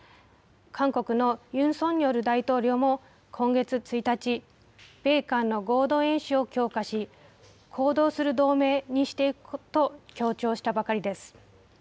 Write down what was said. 韓国のユン・ソンニョル大統領も今月１日、米韓の合同演習を強化し、行動する同盟にしていくと強調したばかりです。